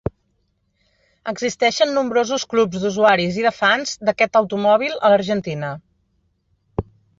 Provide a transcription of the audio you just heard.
Existeixen nombrosos clubs d'usuaris i de fans d'aquest automòbil a l'Argentina.